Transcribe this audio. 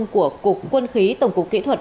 của cục quân khí tổng cục kỹ thuật